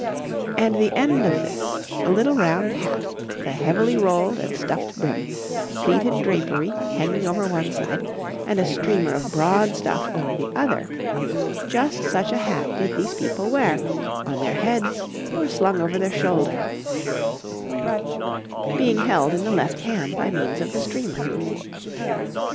And the end of this, a little round hat with a heavily rolled and stuffed brim, pleated drapery hanging over one side and streamer of broad stuff over the other; just such a hat did these people wear, on their heads or slung over their shoulder, being held in the left hand by means of the streamer.